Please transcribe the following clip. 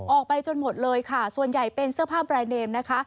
ออกไปจนหมดเลยค่ะส่วนใหญ่เป็นเสื้อผ้าแบรนดเนมนะคะ